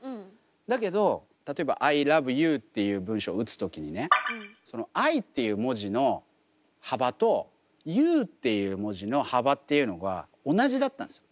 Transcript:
だけど例えば「Ｉｌｏｖｅｙｏｕ」っていう文章打つ時にねその「Ｉ」っていう文字の幅と「ｙｏｕ」っていう文字の幅っていうのが同じだったんですよ。